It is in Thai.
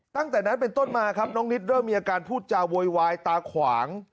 ตั้งแต่นั้นเป็นต้นมาครับน้องนิดเริ่มมีอาการพูดจาโวยวายตาขวาง